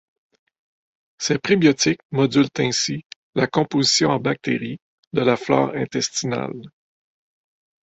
Ces prébiotiques modulent ainsi la composition en bactéries de la flore intestinale.